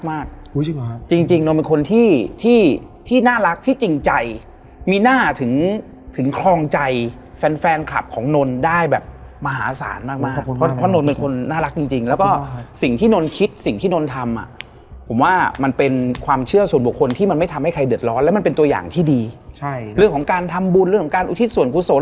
อันนี้ก็จะเป็นโปสิชั่นที่นอนตะแคงแล้วเท้าไปทางเพื่อนที่นอน